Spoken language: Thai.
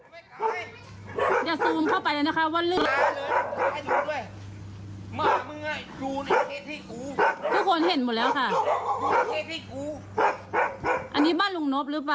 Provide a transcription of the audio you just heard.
พอจะพูดจะลงลุง